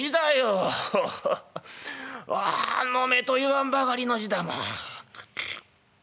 うわ飲めと言わんばかりの字だフウ」。